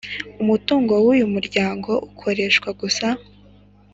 Umutungo wa y Umuryango ukoreshwa gusa